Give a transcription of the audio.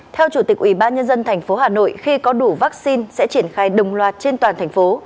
theo chủ tịch ủy ban nhân dân tp hà nội khi có đủ vaccine sẽ triển khai đồng loạt trên toàn thành phố